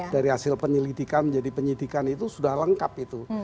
dari hasil penyelidikan menjadi penyidikan itu sudah lengkap itu